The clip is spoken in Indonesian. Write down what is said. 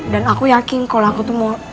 dan aku yakin kalau aku tuh mau